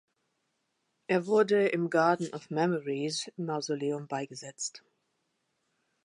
Er wurde im Garden of Memories Mausoleum beigesetzt.